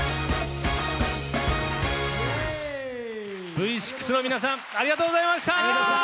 Ｖ６の皆さんありがとうございました。